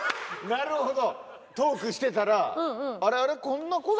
なるほど。